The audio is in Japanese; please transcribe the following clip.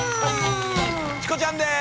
チコちゃんです